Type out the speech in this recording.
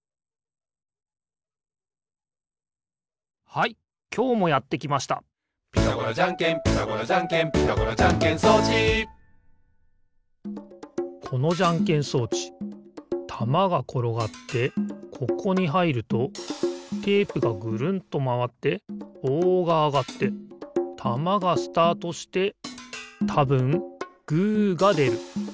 はいきょうもやってきました「ピタゴラじゃんけんピタゴラじゃんけん」「ピタゴラじゃんけん装置」このじゃんけん装置たまがころがってここにはいるとテープがぐるんとまわってぼうがあがってたまがスタートしてたぶんグーがでる。